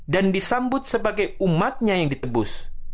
dan disambut sebagai umatnya yang ditebus